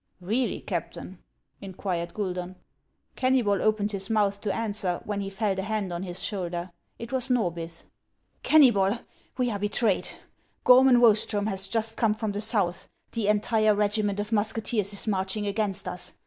" Iieally, Captain?" inquired Guidon. Kennybol opened his mouth to answer, when he felt a hand on his shoulder ; it was Xorbith. "Kennybol, we are betrayed! Gormon Woestrcem has just come from the South. The entire regiment of musket eers is marching against us.